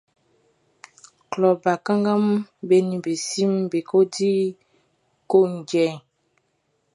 Klɔ bakannganʼm be nin be siʼm be kɔ di ko njɛn.